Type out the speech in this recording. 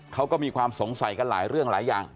เขาก็มีความสงสัยกันหลายเรื่องหลายอย่าง